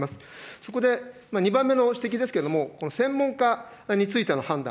そこで２番目の指摘ですけれども、この専門家についての判断。